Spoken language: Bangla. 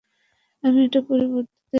আমি এটা পরবর্তীদের স্মরণে রেখেছি।